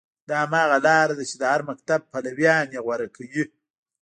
دا هماغه لاره ده چې د هر مکتب پلویان غوره کوي.